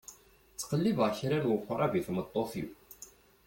Ttqellibeɣ kra n weqrab i tmeṭṭut-iw.